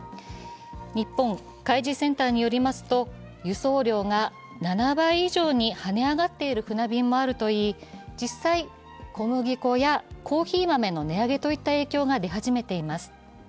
日本海事センターによりますと、輸送料が７倍以上にはね上がっている船便もあるといい、実際、小麦粉やコーヒー豆の値上げといった影響が出始めています。